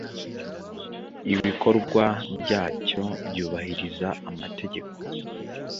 ibikorwa byacyo byubahiriza amategeko.